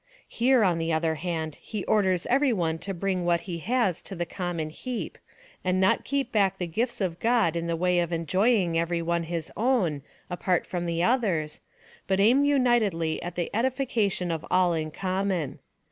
Here, on the other hand, he orders every one to bring what he has to the common heap, and not keep back the gifts of God in the way of en joying every one his own, apart from the others,^ but aim unitedly at the edification of all in common.